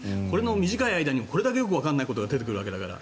短い間にこれだけよくわからないことが出てくるわけだから。